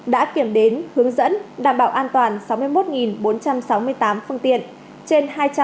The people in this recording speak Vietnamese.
đã kiểm đếm hướng dẫn đảm bảo an toàn sáu mươi một bốn trăm sáu mươi tám phương tiện